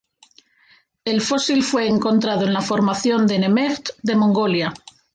El fósil fue encontrado en la Formación de Nemegt de Mongolia.